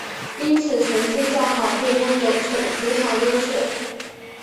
因此成绩较好便拥有主场优势。